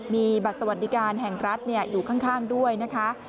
มีบัตรสวัสดิการแห่งรัฐอยู่ข้างด้วยนะคะ